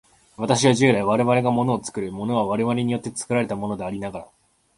私は従来、我々が物を作る、物は我々によって作られたものでありながら、